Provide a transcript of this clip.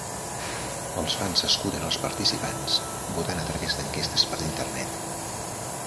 Els fans escullen els participants votant a través d'enquestes per internet.